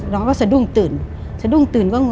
น้องก็สะดุ้งตื่น